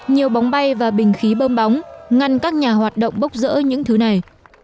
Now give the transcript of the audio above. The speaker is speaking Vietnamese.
nhiều bóng bay và bình khí bơm bóng ngăn các nhà hoạt động bốc rỡ những thứ này